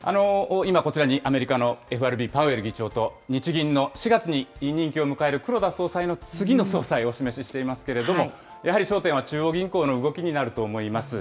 今、こちらにアメリカのＦＲＢ、パウエル議長と、日銀の４月に任期を迎える黒田総裁の次の総裁をお示ししていますけれども、やはり焦点は中央銀行の動きになると思います。